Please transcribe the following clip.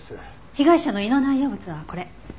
被害者の胃の内容物はこれ。